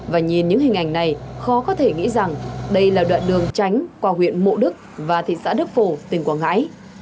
và nhìn những hình ảnh này khó có thể nghĩ rằng đây là đoạn đường tránh qua huyện mộ đức và thị xã đức phổ tỉnh quảng ngãi